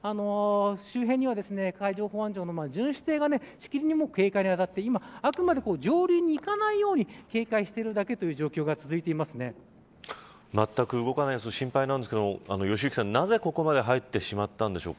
周辺には海上保安庁の巡視艇がしきりに警戒に当たって今あくまで上流に行かないように警戒しているだけというまったく動かない様子心配なんですけどなぜここまで入ってしまったんでしょうか。